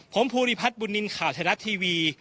ผมภูริพัฒน์บุญนินทร์ข่าวไทยรัฐทีวี